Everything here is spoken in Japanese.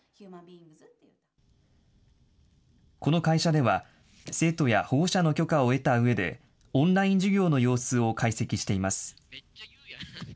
この会社では、生徒や保護者の許可を得たうえで、オンライン授業の様子を解析しています。